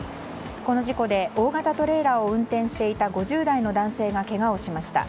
この事故で大型トレーラーを運転していた５０代の男性がけがをしました。